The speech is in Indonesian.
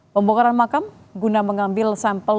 pembongkaran makam guna mengambil sampel